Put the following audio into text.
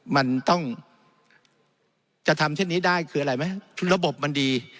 มันต้องจะทำเช่นนี้ได้คืออะไรไหมระบบมันดี